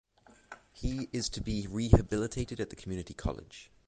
He is to be rehabilitated at the community college.